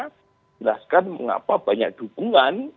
menjelaskan mengapa banyak dukungan